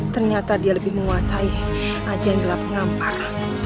ternyata dia lebih menguasai agen gelap ngampar